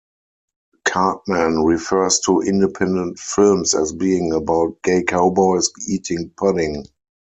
Cartman refers to independent films as being about "gay cowboys eating pudding".